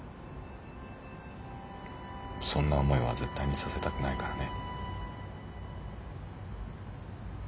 そんな思いは絶対にさせたくないからね。